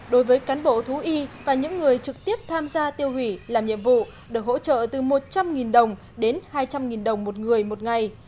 đối với cán bộ thú y và những người trực tiếp tham gia tiêu hủy làm nhiệm vụ được hỗ trợ từ một trăm linh đồng đến hai trăm linh đồng một người một ngày